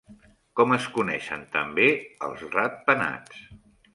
Com es coneixen també els ratpenats?